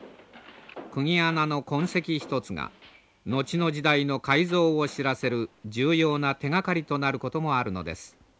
くぎ穴の痕跡一つが後の時代の改造を知らせる重要な手がかりとなることもあるのです。